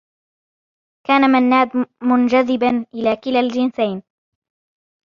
كان منّاد منجذبا إلى كلا الجنسين.